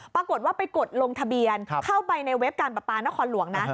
ปรากฏว่าไปกดลงทะเบียนเข้าไปในเว็บการประปานครหลวงนะ